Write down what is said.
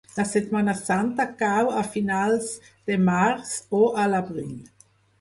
La Setmana Santa cau a finals de març o a l'abril